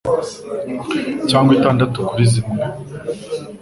cyangwa itandatu kuri zimwe,